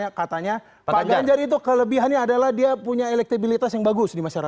jadi katanya pak ganjar itu kelebihannya adalah dia punya elektabilitas yang bagus di masyarakat